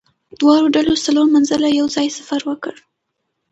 دواړو ډلو څلور منزله یو ځای سفر وکړ.